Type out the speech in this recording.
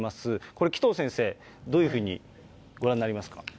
これ紀藤先生、どういうふうにご覧になりますか。